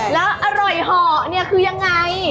แล้วอร่อยห่อคือยังไง